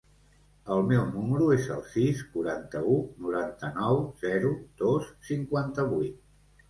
El meu número es el sis, quaranta-u, noranta-nou, zero, dos, cinquanta-vuit.